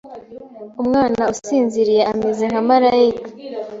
Umwana usinziriye ameze nka malayika.